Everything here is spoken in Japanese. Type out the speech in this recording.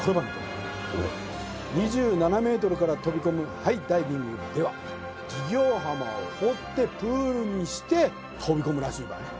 ２７メートルから飛び込むハイダイビングでは地行浜を掘ってプールにして飛び込むらしいばい